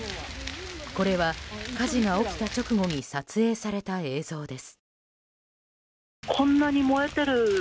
これは、火事が起きた直後に撮影された映像です。